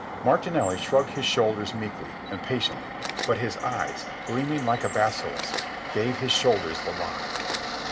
Martinelli shrugged his shoulders meekly and patiently, but his eyes, gleaming like a basilisk's, gave his shoulders the lie.